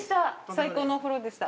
最高のお風呂でした。